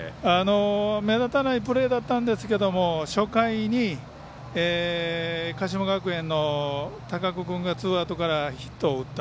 目立たないプレーだったんですが初回に鹿島学園の高久君がツーアウトからヒットを打った。